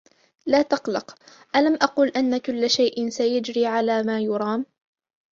لا تقلق. ألم أقل أن كل شئ سيجري على ما يرام.